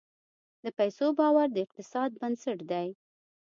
د پیسو باور د اقتصاد بنسټ دی.